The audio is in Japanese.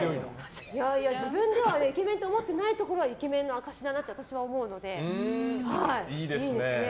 自分でイケメンと思ってないところがイケメンの証しだなって私は思うので、いいですね。